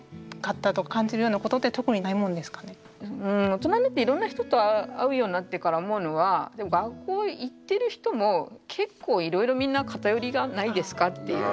大人になっていろんな人と会うようになってから思うのは学校行ってる人も結構いろいろみんな偏りがないですかっていう。